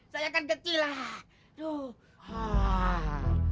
saya kan gecil lah